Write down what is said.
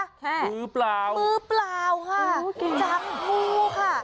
แค่มือเปล่ามือเปล่าค่ะจับงูค่ะ